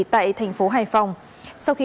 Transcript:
tại thành phố hải phòng sau khi